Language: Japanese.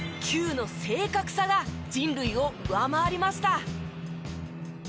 ＣＵＥの正確さが人類を上回りました。